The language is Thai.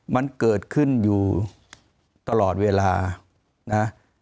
มันเกิดขึ้นอยู่ตลอดเวลานะ